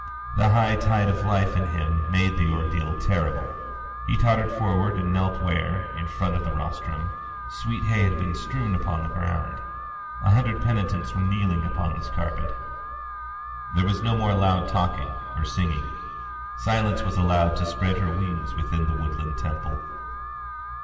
The high tide of life in him made the ordeal terrible; he tottered forward and knelt where, in front of the rostrum, sweet hay had been strewn upon the ground. A hundred penitents were kneeling upon this carpet. There was now no more loud talking or singing. Silence was allowed to spread her wings within the woodland temple.